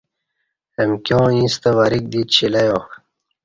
امکیاں ایݩستہ وریک دی چیلیہ